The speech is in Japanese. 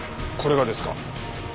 これがですか？